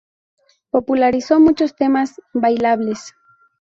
Popularizó muchos temas bailables.